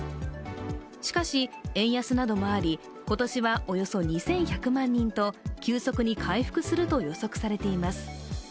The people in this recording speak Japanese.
しかし、円安などもあり今年はおよそ２１００万人と急速に回復すると予測されています。